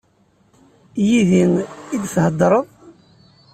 Yid-i i d-theddreḍ?